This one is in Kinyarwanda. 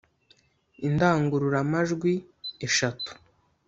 indangurura majwi eshatu